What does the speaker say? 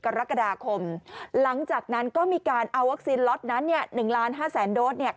๓๐กรกฎาคมหลังจากนั้นก็มีการเอาวัคซีนล็อตนั้น๑๕๐๐๐๐๐โดส